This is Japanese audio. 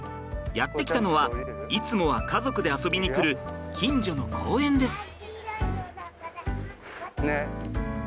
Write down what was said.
やって来たのはいつもは家族で遊びに来る近所の公園です。